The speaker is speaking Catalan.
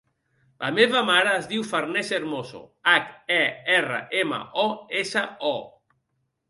La meva mare es diu Farners Hermoso: hac, e, erra, ema, o, essa, o.